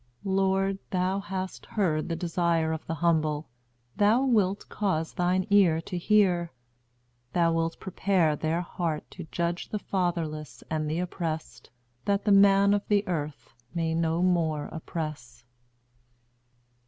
Lord, thou hast heard the desire of the humble. Thou wilt cause thine ear to hear; thou wilt prepare their heart to judge the fatherless and the oppressed, that the man of the earth may no more oppress."